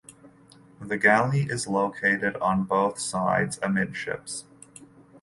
The galley is located on both sides amidships.